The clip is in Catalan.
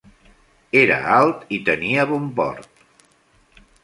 Era alt i tenia bon port.